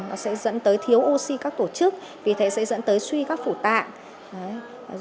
nó sẽ dẫn tới thiếu oxy các tổ chức vì thế sẽ dẫn tới suy các phủ tạng